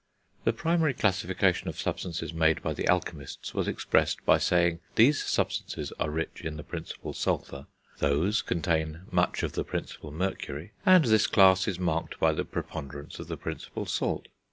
The primary classification of substances made by the alchemists was expressed by saying; these substances are rich in the principle sulphur, those contain much of the principle mercury, and this class is marked by the preponderance of the principle salt.